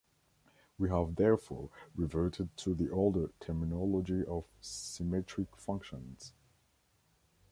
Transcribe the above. We have therefore reverted to the older terminology of symmetric functions.